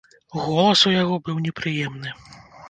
Голас у яго быў непрыемны.